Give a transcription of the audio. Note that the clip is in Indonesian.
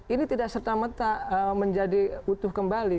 ini tidak serta merta menjadi utuh kembali